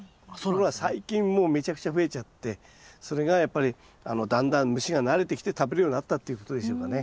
ところが最近もうめちゃくちゃ増えちゃってそれがやっぱりだんだん虫が慣れてきて食べるようになったということでしょうかね。